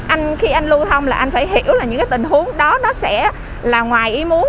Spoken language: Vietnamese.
anh khi anh lưu thông là anh phải hiểu là những cái tình huống đó nó sẽ là ngoài ý muốn